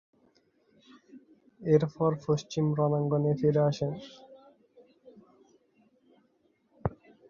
এরপর পশ্চিম রণাঙ্গনে ফিরে আসেন।